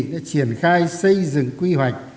đã triển khai xây dựng quy hoạch